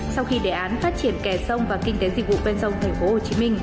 sau khi đề án phát triển kẻ sông và kinh tế dịch vụ bên sông tp hcm